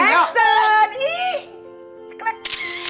rati ratunya orang sekampung ya